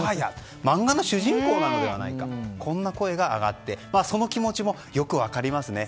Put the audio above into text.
漫画の主人公なのではないかとこんな声が上がってその気持ちもよく分かりますね。